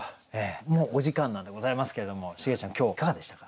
もうお時間なんでございますけれどもシゲちゃん今日いかがでしたか？